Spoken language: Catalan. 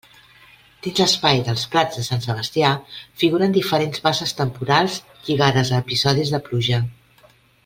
Dins l'espai dels prats de Sant Sebastià, figuren diferents basses temporals lligades a episodis de pluja.